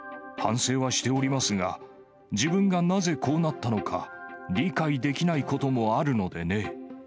反省はしておりますが、自分がなぜこうなったのか、理解できないこともあるのでね。